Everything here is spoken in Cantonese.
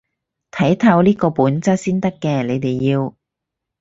睇透呢個本質先得嘅，你哋要